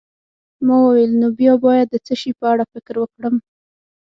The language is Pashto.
ما وویل: نو بیا باید د څه شي په اړه فکر وکړم؟